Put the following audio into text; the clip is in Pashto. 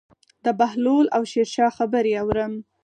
د بهلول او شیرشاه خبرې اورم.